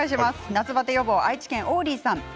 夏バテ予防、愛知県の方です。